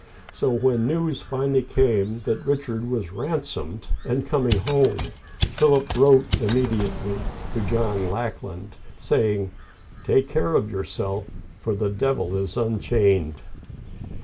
So when news finally came that Richard was ransomed and coming home, Philip wrote immediately to John Lackland, saying, Take care of yourself, for the devil is unchained